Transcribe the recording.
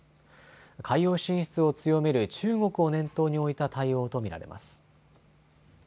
海洋進出を強める中国を念頭に置いた対応と見られます。